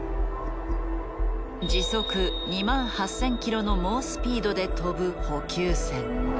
時速２万８，０００キロの猛スピードで飛ぶ補給船。